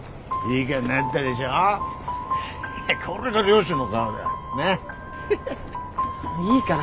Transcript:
いいから。